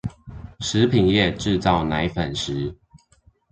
食品業製造奶粉時